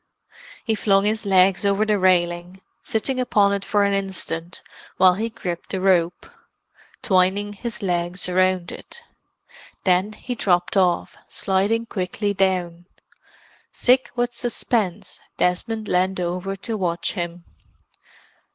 He flung his legs over the railing, sitting upon it for an instant while he gripped the rope, twining his legs round it. Then he dropped off, sliding quickly down. Sick with suspense, Desmond leaned over to watch him.